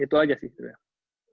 itu aja sih